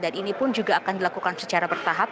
dan ini pun juga akan dilakukan secara bertahap